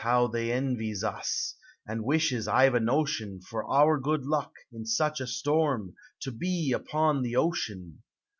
how they envies us, And wishes, I 've a notion, For our good luck, in such a storm, To be upon the ocean!